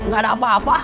gak ada apa apa